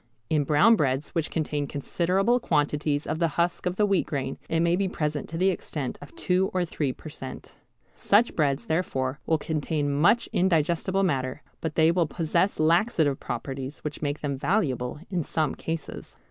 In brown breads which contain considerable quantities of the husk of the wheat grain it may be present to the extent of two or three per cent. Such breads therefore will contain much indigestible matter, but they will possess laxative properties which make them valuable in some cases.